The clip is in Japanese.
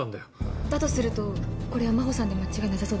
だとするとこれは真帆さんで間違いなさそうですね。